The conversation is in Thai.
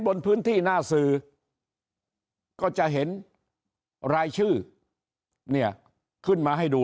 บนพื้นที่หน้าสื่อก็จะเห็นรายชื่อเนี่ยขึ้นมาให้ดู